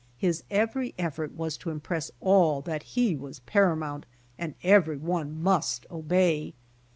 His every effort was to impress all that he was paramount and every one must obey.